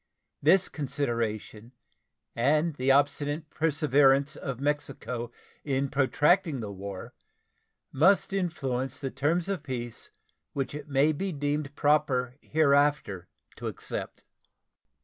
This consideration and the obstinate perseverance of Mexico in protracting the war must influence the terms of peace which it may be deemed proper hereafter to accept.